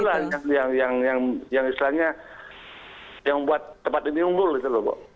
itulah yang istilahnya yang membuat tempat ini unggul gitu loh pak